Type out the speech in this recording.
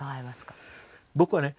僕はね